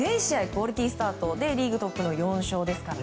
クオリティースタートでリーグトップの４勝ですから。